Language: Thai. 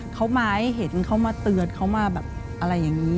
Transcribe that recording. เขามาให้เห็นเขามาเตือนเขามาแบบอะไรอย่างนี้